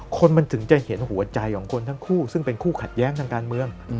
คนมันถึงจะเห็นหัวใจของคนทั้งคู่ซึ่งเป็นคู่ขัดแย้งทางการเมือง